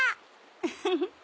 ウフフ。